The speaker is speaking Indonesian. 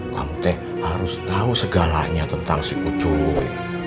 kamu tuh harus tau segalanya tentang si kucuik